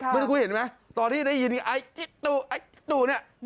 เมื่อกูเห็นไหมตอนที่ได้ยินไอตู่ไอตู่เนี่ย